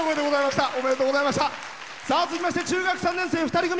続きまして中学３年生２人組。